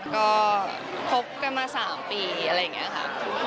ก็คบกันมา๓ปีอะไรอย่างนี้ค่ะ